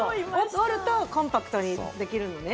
折るとコンパクトにできるのね。